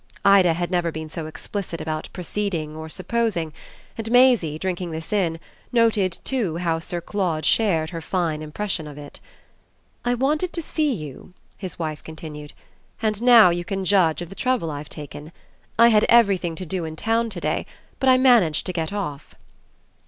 Ida had never been so explicit about proceeding or supposing, and Maisie, drinking this in, noted too how Sir Claude shared her fine impression of it. "I wanted to see you," his wife continued, "and now you can judge of the trouble I've taken. I had everything to do in town to day, but I managed to get off."